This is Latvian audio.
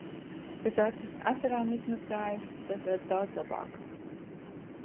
Kas acis asarām izmazgājis, tas redz daudz labāk.